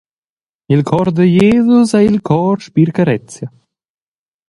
Il cor da Jesus ei il cor spir carezia.